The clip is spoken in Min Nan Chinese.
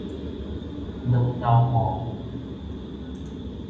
軟腦膜